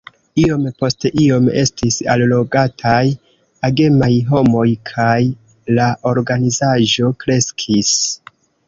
Iom post iom estis allogataj agemaj homoj, kaj la organizaĵo kreskis.